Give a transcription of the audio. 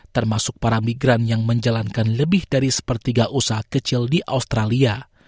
termasuk para migran yang menjalankan lebih dari sepertiga usaha kecil di australia